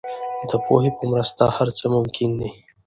د پوهې په مرسته هر څه ممکن دي.